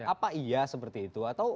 apa iya seperti itu